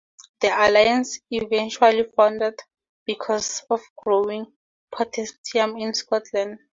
The alliance eventually foundered because of growing Protestantism in Scotland.